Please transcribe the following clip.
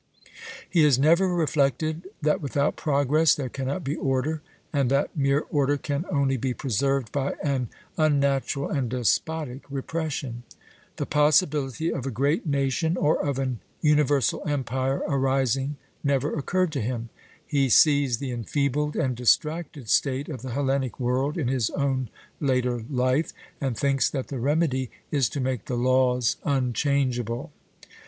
He has never reflected that without progress there cannot be order, and that mere order can only be preserved by an unnatural and despotic repression. The possibility of a great nation or of an universal empire arising never occurred to him. He sees the enfeebled and distracted state of the Hellenic world in his own later life, and thinks that the remedy is to make the laws unchangeable.